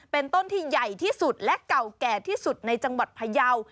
เป็นต้นที่ใหญ่ที่สุดและเก่าแก่ที่สุดในจังหวัดพยาว